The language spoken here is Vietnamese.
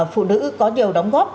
phụ nữ có nhiều đóng góp